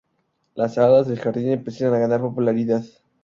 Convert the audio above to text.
Las Hadas del Jardín empiezan a ganar popularidad.